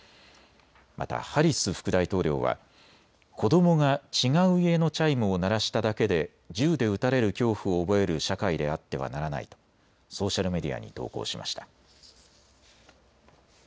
またハリス副大統領は、子どもが違う家のチャイムを鳴らしただけで銃で撃たれる恐怖を覚える社会であってはならないとソーシャルメディアに投稿しました。